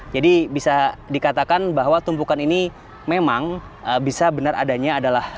jadi bisa dikatakan bahwa tumpukan ini memang bisa benar adanya adalah limbah